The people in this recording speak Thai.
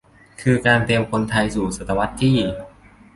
คือการเตรียมคนไทยสู่ศตวรรษที่